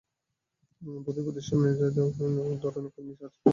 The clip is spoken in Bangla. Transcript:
আমাদের প্রতিষ্ঠানে বিভিন্ন ধরনের কর্মী আছেন যাঁরা আমাদের গ্রাহকদের প্রতিনিধিত্বই করেন।